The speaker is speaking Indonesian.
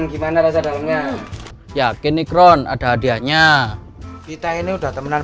gimana rasanya yakini kron ada hadiahnya kita ini udah temenan